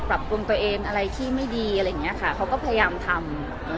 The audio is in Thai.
ปรับปรุงตัวเองอะไรที่ไม่ดีอะไรอย่างเงี้ยค่ะเขาก็พยายามทำอะไรอย่างเงี้ย